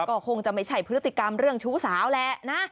ก็คงจะไม่ใช่พฤติกรรมเรื่องชู้สาวแหละนะ